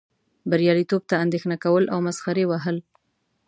بریالیتوب ته اندیښنه کول او مسخرې وهل.